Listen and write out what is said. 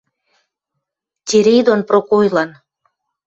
Терей дон Прокойлан.